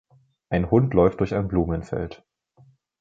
Ein Hund läuft durch ein Blumenfeld.